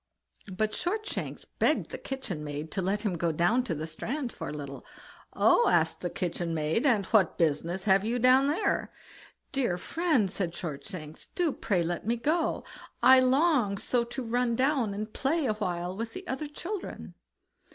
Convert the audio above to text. But Shortshanks begged the kitchen maid to let him go down to the strand for a little. "Oh!" asked the kitchen maid, "and what business have you down there?" "Dear friend", said Shortshanks. "do pray let me go. I long so to run down and play a while with the other children."